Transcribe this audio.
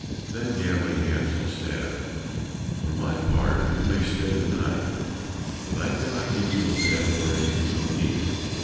Then Gambling Hansel said, "For my part, you may stay the night, but I cannot give you a bed or anything to eat."